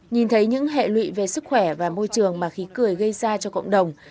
nhìn thấy những hệ lụy về sức khỏe và môi trường mà khí cười gây ra cho cộng đồng